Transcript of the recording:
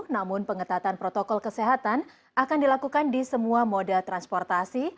namun pengetatan protokol kesehatan akan dilakukan di semua moda transportasi